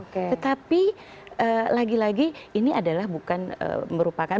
tetapi lagi lagi ini adalah bukan merupakan